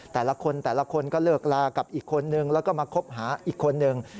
แต่ละคนแต่ละคนก็เลิกลากับอีกคนนึงแล้วก็มาคบหาอีกคนนึง